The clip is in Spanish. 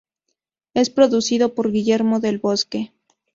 Es producido por Guillermo del Bosque.